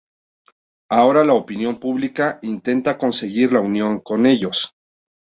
Ahora, la opinión pública intenta conseguir la unión con ellos.